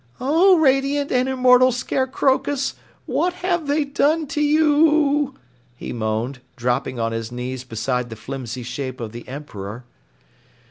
"Oh radiant and immortal Scarecrowcus, what have they done to you?" he moaned, dropping on his knees beside the flimsy shape of the Emperor.